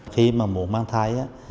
khi mà muốn mang thai